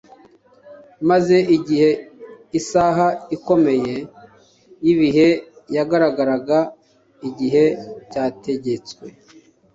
Maze igihe isaha ikomeye y'ibihe yagaragazaga igihe cyategetswe,